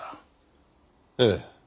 ええ。